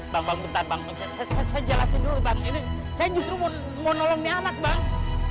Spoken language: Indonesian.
bang bang benta bang saya jelasin dulu bang ini saya justru mau nolong ini anak bang